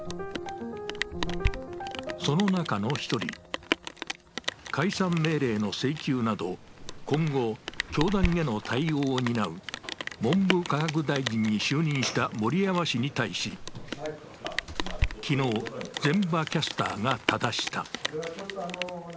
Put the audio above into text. その中の１人、解散命令の請求など今後、教団への対応を担う文部科学大臣に就任した盛山氏に対し、昨日、膳場キャスターがただした。